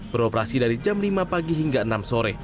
beroperasi dari jam lima pagi hingga enam sore